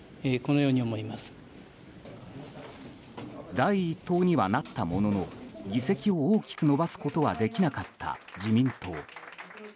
第一党にはなったものの議席を大きく伸ばすことはできなかった自民党。